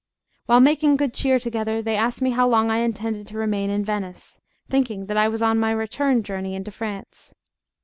While making good cheer together, they asked me how long I intended to remain in Venice, thinking that I was on my return journey into France.